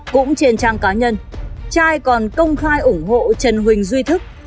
cũng trên trang cá nhân trai còn công khai ủng hộ trần huỳnh duy thức